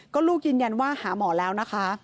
ก็ลูกยืนยันว่าหาหมอแล้วนะคะ